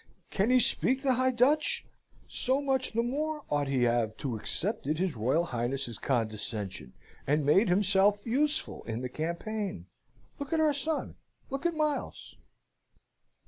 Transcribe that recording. Can he speak the High Dutch? So much the more ought he to have accepted his Royal Highness's condescension, and made himself useful in the campaign! Look at our son, look at Miles!"